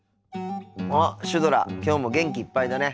あっシュドラきょうも元気いっぱいだね。